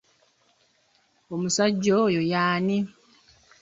Omusajja oyo y'ani?